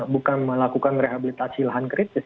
bukan melakukan rehabilitasi lahan kritis